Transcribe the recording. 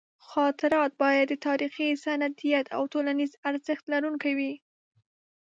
خاطرات باید د تاریخي سندیت او ټولنیز ارزښت لرونکي وي.